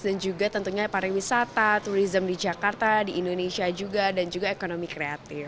dan juga tentunya pariwisata turisme di jakarta di indonesia juga dan juga ekonomi kreatif